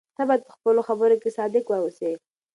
ته باید په خپلو خبرو کې صادق واوسې.